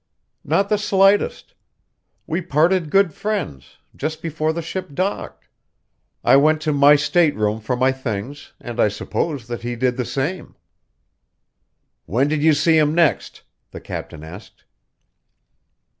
"Not the slightest. We parted good friends just before the ship docked. I went to my stateroom for my things and I suppose that he did the same." "When did you see him next?" the captain asked.